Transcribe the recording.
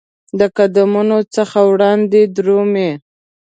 د قدمونو څخه وړاندي درومې